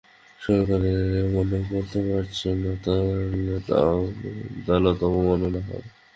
সরকার এই রায় অমান্য করতে পারছে না, করলে আদালত অবমাননা হবে।